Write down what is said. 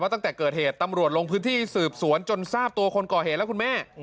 ตั้งแต่เกิดเหตุตำรวจลงพื้นที่สืบสวนจนทราบตัวคนก่อเหตุและคุณแม่